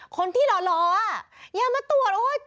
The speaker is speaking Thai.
คนที่รออย่ามาตรวจ